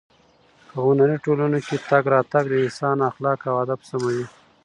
په هنري ټولنو کې تګ راتګ د انسان اخلاق او ادب سموي.